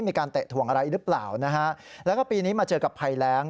มีการเตะถวงอะไรอีกหรือเปล่าแล้วก็ปีนี้มาเจอกับภัยแรง